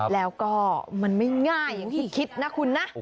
แล้วก็มันไม่ง่ายอย่างที่คิดนะคุณนะ